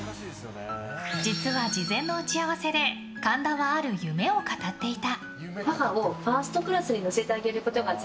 実は、事前の打ち合わせで神田はある夢を語っていた。